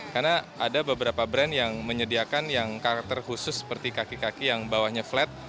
karena ada beberapa brand yang menyediakan yang karakter khusus seperti kaki kaki yang bawahnya flat